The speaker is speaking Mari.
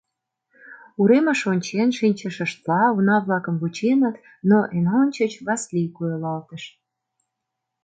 Уремыш ончен шинчышыштла, уна-влакым вученыт, но эн ончыч Васлий койылалтыш.